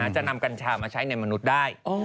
จะนำกัญชามาใช้ในมนุษย์ได้